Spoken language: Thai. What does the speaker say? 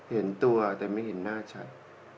เห็นตัวแต่ไม่เห็นหน้าชัด